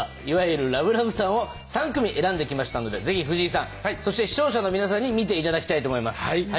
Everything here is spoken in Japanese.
いわゆるラブラブさんを３組選んできましたので藤井さんそして視聴者の皆さんに見て頂きたいと思います